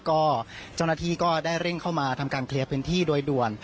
ก็เจ้าหน้าที่ก็ได้เร่งเข้ามาทำการเคลียร์พื้นที่โดยด่วน